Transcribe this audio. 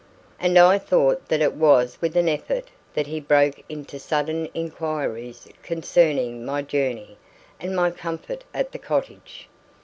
And I thought that it was with an effort that he broke into sudden inquiries concerning my journey and my comfort at the cottage.